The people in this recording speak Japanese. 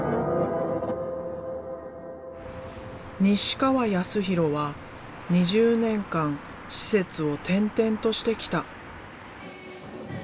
西川泰弘は２０年間施設を転々としてきた。